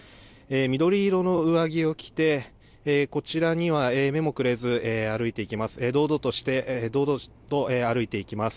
緑色の上着を着てこちらには目もくれず歩いてきます。